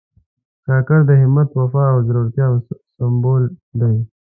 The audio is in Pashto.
کاکړ د همت، وفا او زړورتیا سمبول دي.